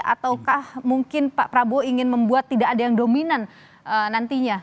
ataukah mungkin pak prabowo ingin membuat tidak ada yang dominan nantinya